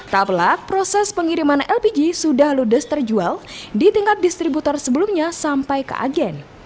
tak pelak proses pengiriman lpg sudah ludes terjual di tingkat distributor sebelumnya sampai ke agen